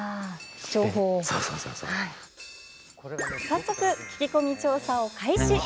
早速、聞き込み調査を開始。